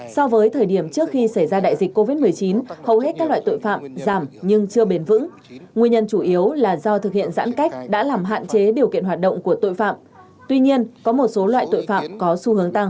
so với thời điểm trước khi xảy ra đại dịch covid một mươi chín hầu hết các loại tội phạm giảm nhưng chưa bền vững nguyên nhân chủ yếu là do thực hiện giãn cách đã làm hạn chế điều kiện hoạt động của tội phạm tuy nhiên có một số loại tội phạm có xu hướng tăng